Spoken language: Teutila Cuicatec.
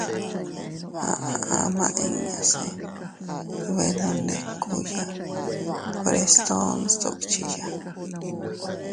Aʼa ama inña se dbenondikuya Frestón sdukchiya.